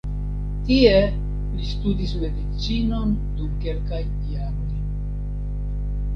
Tie li studis medicinon dum kelkaj jaroj.